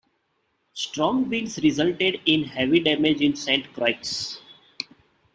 Strong winds resulted in heavy damage in Saint Croix.